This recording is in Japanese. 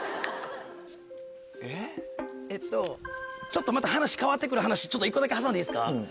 えっとちょっとまた話変わって来る話ちょっと１個だけ挟んでいいですか？